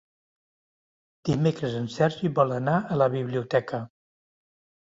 Dimecres en Sergi vol anar a la biblioteca.